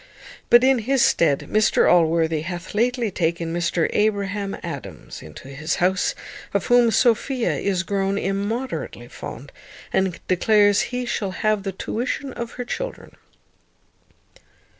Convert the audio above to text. But in his stead, Mr Allworthy hath lately taken Mr Abraham Adams into his house, of whom Sophia is grown immoderately fond, and declares he shall have the tuition of her children.